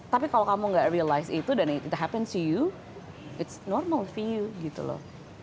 tapi kalau kamu gak realize itu dan it happens to you it's normal for you gitu loh